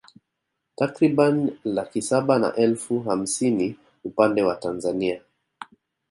Takriban laki saba na elfu hamsini upande wa Tanzania